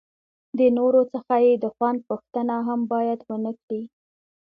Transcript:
د نورو څخه یې د خوند پوښتنه هم باید ونه کړي.